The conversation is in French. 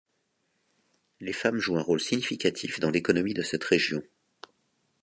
Les femmes jouent un rôle significatif dans l'économie de cette région.